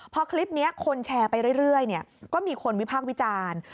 พอคลิปนี้คนแชร์ไปเรื่อยก็มีคนวิพากษ์วิจารณ์